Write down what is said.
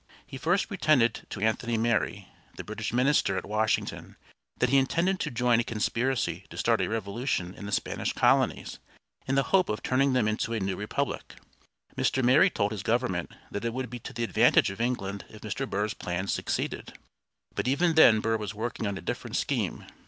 He first pretended to Anthony Merry, the British minister at Washington, that he intended to join a conspiracy to start a revolution in the Spanish colonies, in the hope of turning them into a new republic. Mr. Merry told his government that it would be to the advantage of England if Mr. Burr's plans succeeded. But even then Burr was working on a different scheme.